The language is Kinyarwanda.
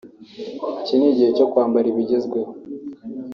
“Iki ni igihe cyo kwambara ibigezweho